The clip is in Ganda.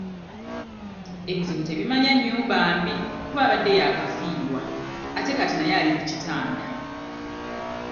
Ebizibu tebimanya nnyumba mbi kuba abadde yakafiirwa ate kati naye ali ku kitanda.